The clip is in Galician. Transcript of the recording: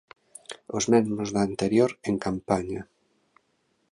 Os mesmos da anterior, en campaña.